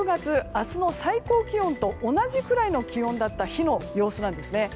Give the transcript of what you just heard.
明日の最高気温と同じくらいの気温だった日の様子なんですね。